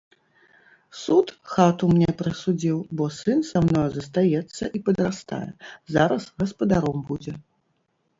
Суд хату мне прысудзіў, бо сын са мною застаецца і падрастае, зараз гаспадаром будзе.